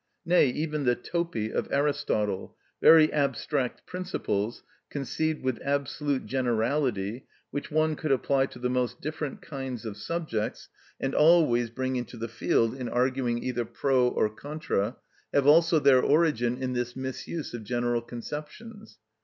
Nay even the "Topi" of Aristotle—very abstract principles, conceived with absolute generality, which one could apply to the most different kinds of subjects, and always bring into the field in arguing either pro or contra—have also their origin in this misuse of general conceptions.